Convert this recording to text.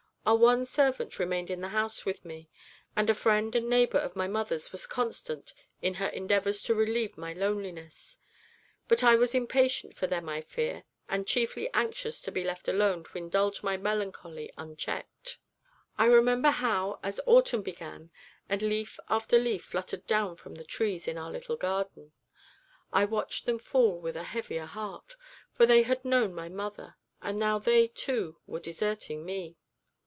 Our one servant remained in the house with me, and a friend and neighbour of my mother's was constant in her endeavours to relieve my loneliness; but I was impatient of them, I fear, and chiefly anxious to be left alone to indulge my melancholy unchecked. I remember how, as autumn began, and leaf after leaf fluttered down from the trees in our little garden, I watched them fall with a heavier heart, for they had known my mother, and now they, too, were deserting me.